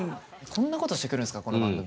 こんなことしてくるんすかこの番組。